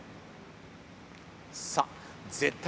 さあ絶対